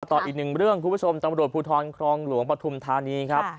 ต่ออีกหนึ่งเรื่องคุณผู้ชมตำรวจภูทรครองหลวงปฐุมธานีครับ